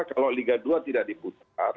kalau liga dua tidak diputar